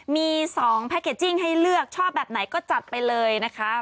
มี๒แพ็คเกจจิ้งให้เลือกชอบแบบไหนก็จัดไปเลยนะคะ